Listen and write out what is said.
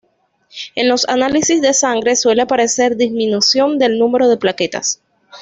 En los análisis de sangre suele aparecer disminución del número de plaquetas.